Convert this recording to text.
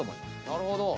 なるほど。